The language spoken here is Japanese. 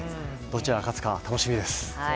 どちらが勝つか、楽しみです。